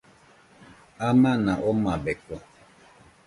Amana omabeko.